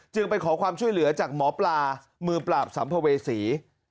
ไปขอความช่วยเหลือจากหมอปลามือปราบสัมภเวษี